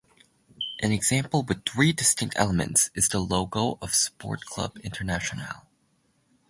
An example with three distinct elements is the logo of Sport Club Internacional.